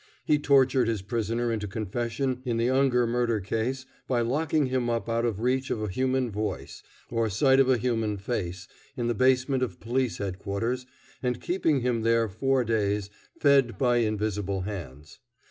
He tortured his prisoner into confession in the Unger murder case by locking him up out of reach of a human voice, or sight of a human face, in the basement of Police Headquarters, and keeping him there four days, fed by invisible hands.